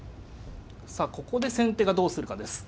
さあここで先手がどうするかです。